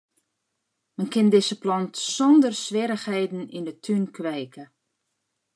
Men kin dizze plant sonder swierrichheden yn 'e tún kweke.